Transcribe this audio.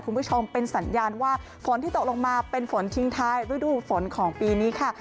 คุณผู้ชมเป็นสัญญาณว่าฝนที่ตกลงมาเป็นฝนทิ้งท้ายฤดูฝนของปีนี้ค่ะ